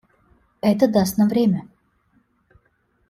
Это даст нам время.